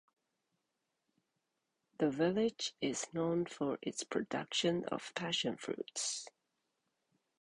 The village is known for its production of passion fruits.